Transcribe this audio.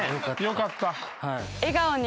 よかった。